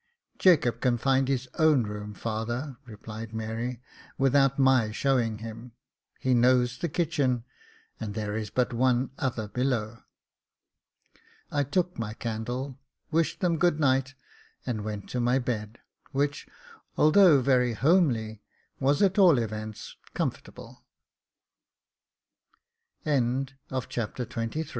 " Jacob can find his own room, father," replied Mary, " without my showing him j he knows the kitchen, and there is but one other below." I took my candle, wished them good night, and went to my bed, which, although very homely, was at all events comfortab